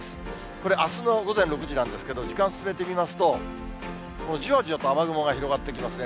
これ、あすの午前６時なんですけど、時間進めてみますと、じわじわと雨雲が広がってきますね。